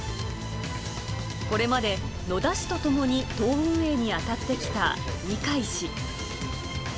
これまで野田氏と共に党運営に当たってきた二階氏。